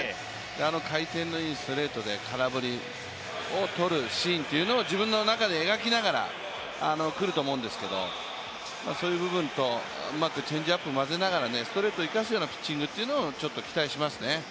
あの回転のいいストレートで空振りをとるシーンを自分の中で描きながら来ると思うんですけどそういう部分とうまくチェンジアップを混ぜながら、ストレートを生かすようなピッチングを期待しますね。